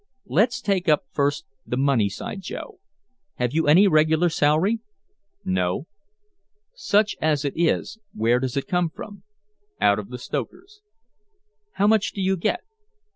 "Let's take up first the money side, Joe. Have you any regular salary?" "No." "Such as it is, where does it come from?" "Out of the stokers." "How much do you get?"